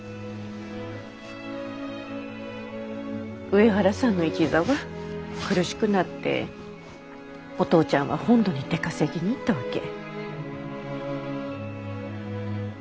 上原さんの一座は苦しくなってお父ちゃんは本土に出稼ぎに行ったわけ。